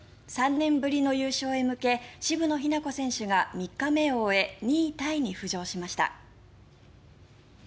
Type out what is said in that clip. ３年ぶりの優勝へ向け渋野日向子選手が３日目を終え２位タイに浮上しました。